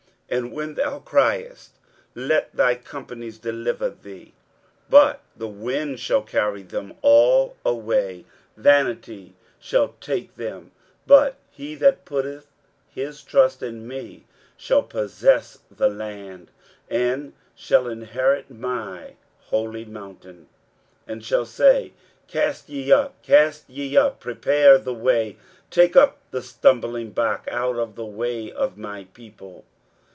23:057:013 When thou criest, let thy companies deliver thee; but the wind shall carry them all away; vanity shall take them: but he that putteth his trust in me shall possess the land, and shall inherit my holy mountain; 23:057:014 And shall say, Cast ye up, cast ye up, prepare the way, take up the stumblingblock out of the way of my people.